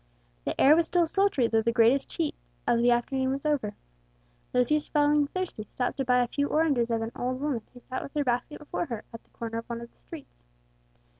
The air was still sultry, though the greatest heat of the afternoon was over. Lucius, feeling thirsty, stopped to buy a few oranges of an old woman who sat with her basket before her at the corner of one of the streets.